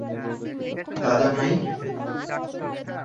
দাদা নাই?